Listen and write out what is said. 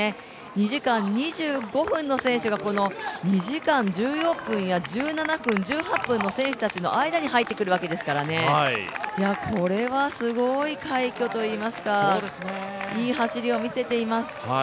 ２時間２５分の選手が２時間１４分や１７分、１８分の選手たちの間に入ってくるわけですからね、これはすごい快挙といいますか、いい走りを見せています。